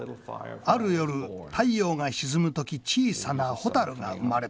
ある夜太陽が沈む時小さな蛍が生まれた。